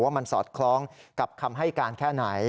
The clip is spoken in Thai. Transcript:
ว่ามันสอดคล้องกับคำให้การแค่ไหน